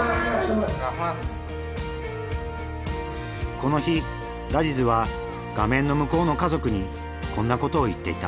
この日ラジズは画面の向こうの家族にこんなことを言っていた。